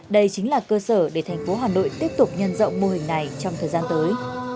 đây chính là cơ sở để thành phố hà nội tiếp tục nhân rộng mô hình này trong thời gian tới